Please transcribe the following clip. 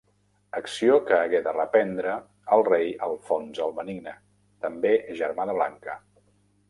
Acció que hagué de reprendre el rei Alfons el Benigne, també germà de Blanca.